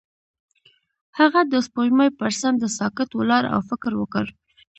هغه د سپوږمۍ پر څنډه ساکت ولاړ او فکر وکړ.